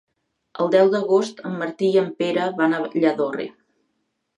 El deu d'agost en Martí i en Pere van a Lladorre.